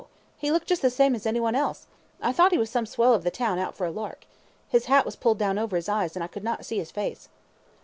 He looked just the same as anyone else. I thought he was some swell of the town out for a lark. His hat was pulled down over his eyes, and I could not see his face.